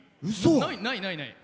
ない、ない、ない！